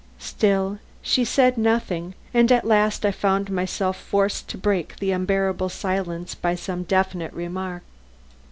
Still she said nothing, and at last I found myself forced to break the unbearable silence by some definite remark.